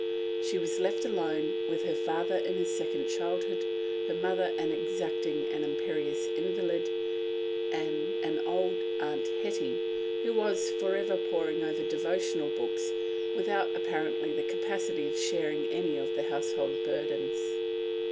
She was left alone, with her father in his second childhood, her mother an exacting and imperious invalid, and an old Aunt Hetty, who was for ever poring over devotional books, without apparently the capacity of sharing any of the household burdens.